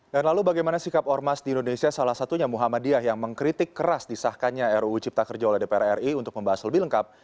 dan lalu bagaimana sikap ormas di indonesia salah satunya muhammadiyah yang mengkritik keras disahkannya ruu cipta kerja oleh dpr ri untuk membahas lebih lengkap